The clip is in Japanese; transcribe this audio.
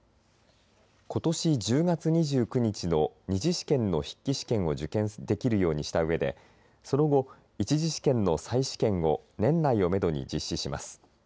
ことし１０月２９日の２次試験の筆記試験を受験できるようにした上でその後、１次試験の再試験を年内をめどに実施します。